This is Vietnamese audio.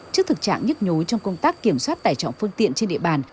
trước thực trạng nhức nhối trong công tác kiểm soát tải trọng phương tiện trên địa bàn